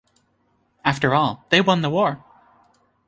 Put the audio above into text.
After all, they won the war.